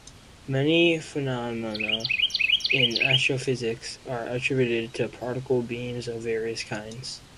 Many phenomena in astrophysics are attributed to particle beams of various kinds.